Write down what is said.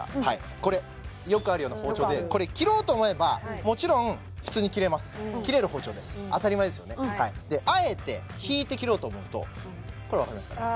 これよくあるような包丁でこれ切ろうと思えばもちろん普通に切れます切れる包丁です当たり前ですよねであえて引いて切ろうと思うとこれわかりますかね？